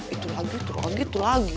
itu lagi itu lagi itu lagi